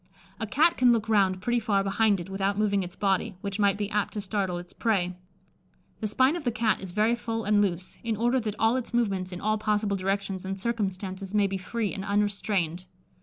A cat can look round pretty far behind it without moving its body, which might be apt to startle its prey. The spine of the Cat is very full and loose, in order that all its movements in all possible directions and circumstances may be free and unrestrained.